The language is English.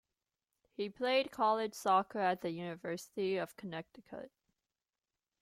He played college soccer at the University of Connecticut.